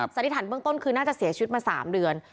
สัตวิถันเบื้องต้นคือน่าจะเสียชุดมา๓เดือน